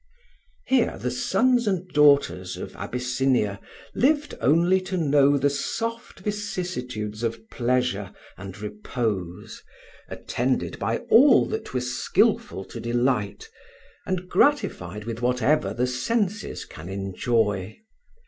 HERE the sons and daughters of Abyssinia lived only to know the soft vicissitudes of pleasure and repose, attended by all that were skilful to delight, and gratified with whatever the senses can enjoy.